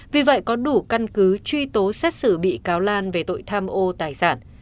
vì vậy có đủ căn cứ truy tố xét xử bị cáo lan về tội tham ô tài sản